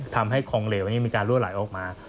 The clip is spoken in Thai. ทำให้ของเหลวมีการรวดลายออกมา